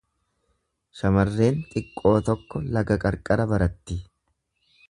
Shamarreen xiqqoo tokko laga qarqara baratti.